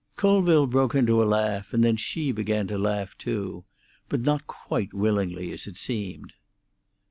Colville broke into a laugh, and then she began to laugh to; but not quite willingly as it seemed.